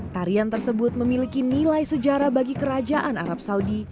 tarian tersebut memiliki nilai sejarah bagi kerajaan arab saudi